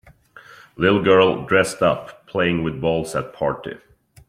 Little girl, dressed up, playing with balls at party.